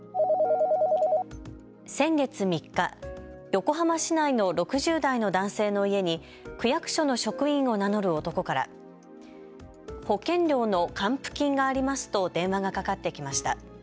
先月３日、横浜市内の６０代の男性の家に区役所の職員を名乗る男から保険料の還付金がありますと電話がかかってきました。